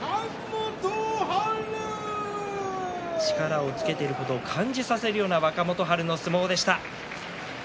力をつけていることを感じさせるような若元春の相撲でした。